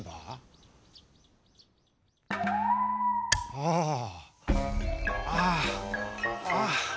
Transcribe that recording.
ああああ。